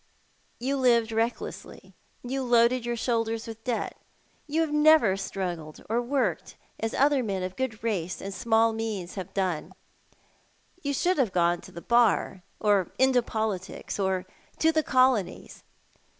You lived recklessly, and loaded your shoulders with debts. You have never struggled or worked as other men of good race and small means have done. You should have gone to the Bar— or into politics — or to the Colonies.